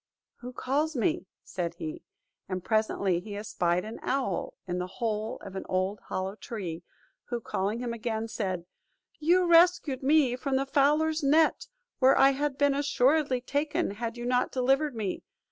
"Who calls me?" said he; and presently he espied an owl in the hole of an old hollow tree, who, calling him again, said, "You rescued me from the fowler's net, where I had been assuredly taken, had you not delivered me.